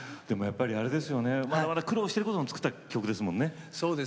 まだ苦労してるときに作った曲ですもんね。